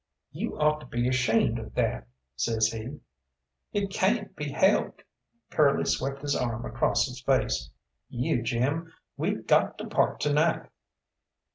"You ought to be ashamed of that," says he. "It cayn't be helped." Curly swept his arm across his face. "You Jim, we got to part to night."